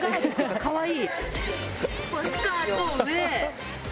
かわいい！